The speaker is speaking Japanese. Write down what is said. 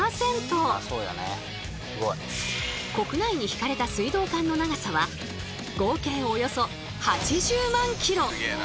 国内に引かれた水道管の長さは合計およそ８０万ｋｍ。